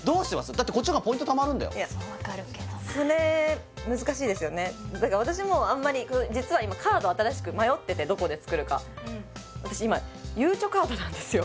だってこっちの方がポイントたまるんだよそれ難しいですよねだから私もあんまり実は今カード新しく迷っててどこで作るか私今ゆうちょカードなんですよ